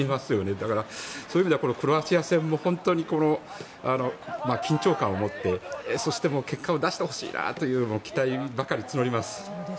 だから、そういう意味ではクロアチア戦も本当に緊張感を持ってそして結果を出してほしいなという期待ばかり募ります。